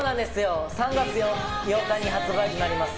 ３月８日に発売となります